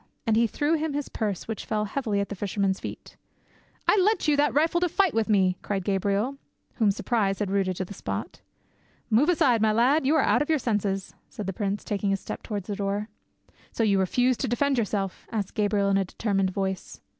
And he threw him his purse, which fell heavily at the fisherman's feet. "I lent you that rifle to fight with me," cried Gabriel, whom surprise had rooted to the spot. "Move aside, my lad; you are out of your senses," said the prince, taking a step towards the door. "So you refuse to defend yourself?" asked Gabriel in a determined voice.